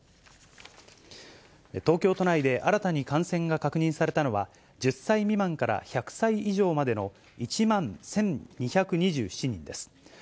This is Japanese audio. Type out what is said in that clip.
東京都内で新たに感染が確認されたのは、１０歳未満から１００歳以上までの１万１２２７人です。